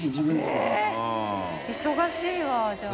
忙しいわじゃあ。